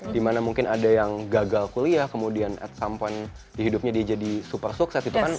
dimana mungkin ada yang gagal kuliah kemudian at some point di hidupnya dia jadi super sukses itu kan